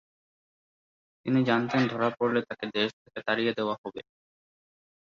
তিনি জানতেন ধরা পড়লে তাকে দেশ থেকে তাড়িয়ে দেয়া হবে।